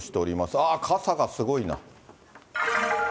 ああ、傘がすごいな。